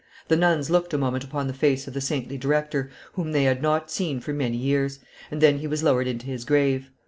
The nuns looked a moment upon the face of the saintly director, whom they had not seen for so many years; and then he was lowered into his grave.